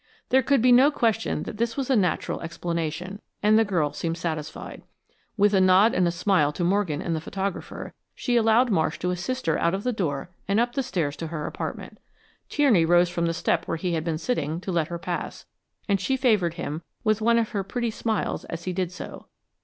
There could be no question that this was a natural explanation, and the girl seemed satisfied. With a nod and a smile to Morgan and the photographer, she allowed Marsh to assist her out of the door and up the stairs to her apartment. Tierney rose from the step where he had been sitting, to let her pass, and she favored him with one of her pretty smiles as he did so.